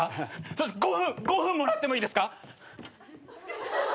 ５分もらってもいいですか？